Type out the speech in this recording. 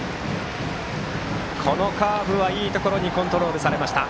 このカーブはいいところにコントロールされました。